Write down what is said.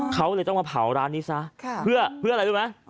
เขาเลยต้องมาเผาร้านนี้ซะเพื่ออะไรรู้ไหม